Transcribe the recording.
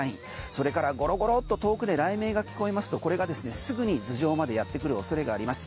それからゴロゴロっと遠くで雷鳴が聞こえますとこれがですね、すぐに頭上までやってくる恐れがあります。